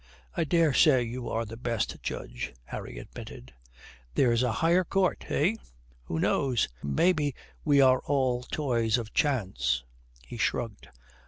"I dare say you are the best judge," Harry admitted. "There's a higher court, eh? Who knows? Maybe we are all the toys of chance." He shrugged.